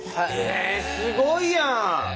えすごいやん！